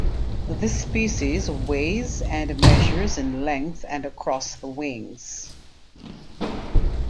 This species weighs and measures in length and across the wings.